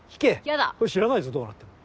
知らないぞどうなっても。